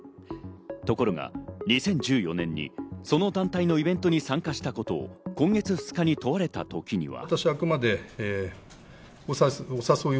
ところが２０１４年にその団体のイベントに参加したことを今月２日に問われた時には。